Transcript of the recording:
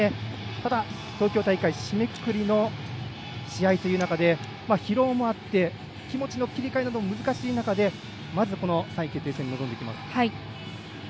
ただ東京大会締めくくりの試合という中で疲労もあって気持ちの切り替えなども難しい中でまず３位決定戦に臨みます。